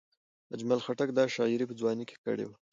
اجمل خټک دا شاعري په ځوانۍ کې کړې وه.